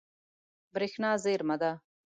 برېښنا زیرمه ده.